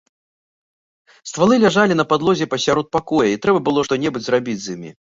Ствалы ляжалі на падлозе пасярод пакоя, і трэба было што-небудзь зрабіць з імі.